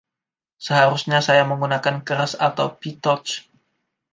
Seharusnya saya menggunakan Keras atau Pytorch?